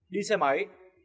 đi xe máy